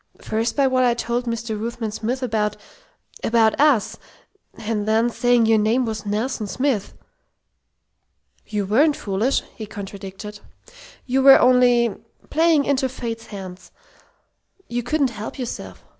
First, by what I told Mr. Ruthven Smith about about us. And then saying your name was Nelson Smith." "You weren't foolish!" he contradicted. "You were only playing into Fate's hands. You couldn't help yourself.